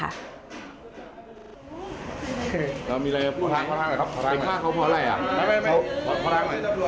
เรามีอะไรพูดทางเข้าทางหน่อยครับทางภาคเขาเพราะอะไรอ่ะ